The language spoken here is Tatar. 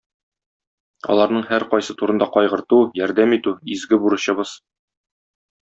Аларның һәркайсы турында кайгырту, ярдәм итү - изге бурычыбыз.